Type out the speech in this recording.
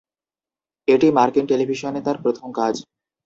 এটি মার্কিন টেলিভিশনে তার প্রথম কাজ।